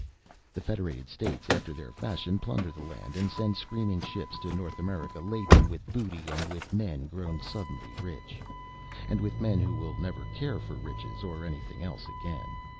The Federated States, after their fashion, plunder the land and send screaming ships to North America laden with booty and with men grown suddenly rich and with men who will never care for riches or anything else again.